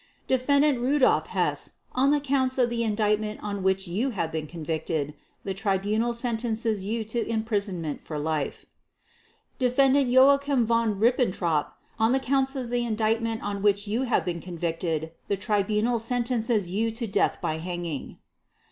"Defendant Rudolf Hess, on the Counts of the Indictment on which you have been convicted, the Tribunal sentences you to imprisonment for life. "Defendant Joachim von Ribbentrop, on the Counts of the Indictment on which you have been convicted, the Tribunal sentences you to death by hanging.